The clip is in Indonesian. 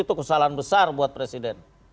itu kesalahan besar buat presiden